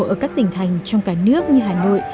ở các tỉnh thành trong cả nước như hà nội